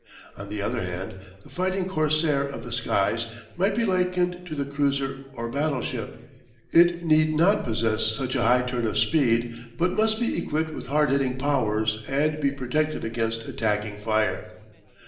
On the other hand, the fighting corsair of the skies might be likened to the cruiser or battleship. It need not possess such a high turn of speed, but must be equipped with hard hitting powers and be protected against attacking fire.